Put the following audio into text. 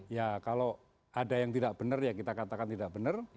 ya kalau ada yang tidak benar ya kita katakan tidak benar